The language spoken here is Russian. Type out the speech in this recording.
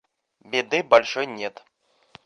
Беды большой нет.